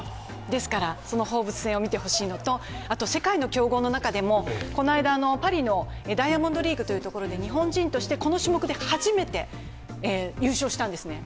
ですから、その放物線を見てほしいのと世界の強豪の中でも、この間、パリのダイヤモンドリーグで日本人としてこの種目で初めて優勝したんですね。